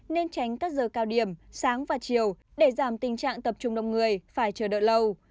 nên tránh các giờ cao điểm sáng và chiều để giảm tình trạng tập trung đông người phải chờ đợi lâu